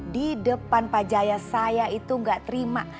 di depan pak jaya saya itu gak terima